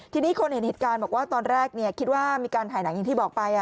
ทีนี้คนเห็นเหตุการณ์บอกว่าตอนแรกคิดว่ามีการถ่ายหนังอย่างที่บอกไป